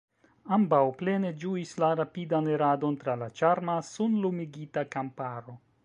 Ambaŭ plene ĝuis la rapidan iradon tra la ĉarma, sunlumigita kamparo.